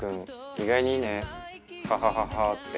意外にいいね。ハハハハ」って。